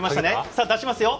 さあ出しますよ。